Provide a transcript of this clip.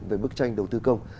về bức tranh đầu tư công